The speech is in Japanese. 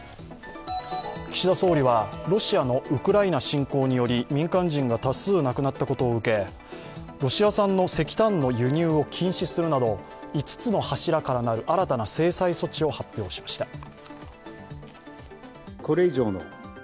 岸田総理はロシアのウクライナ侵攻により民間人が多数亡くなったことを受け、ロシア産の石炭の輸入を禁止するなど５つの柱から成る新たな制裁措置を発表しました。